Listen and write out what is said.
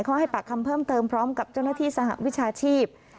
เขาให้ปากคำเพิ่มเติมพร้อมกับเจ้าหน้าที่สหวิชาชีพ